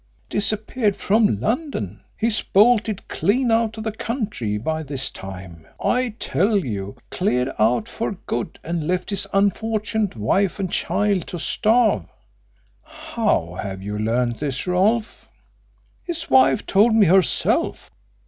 "Disappeared from London? He's bolted clean out of the country by this time, I tell you! Cleared out for good and left his unfortunate wife and child to starve." "How have you learnt this, Rolfe?" "His wife told me herself.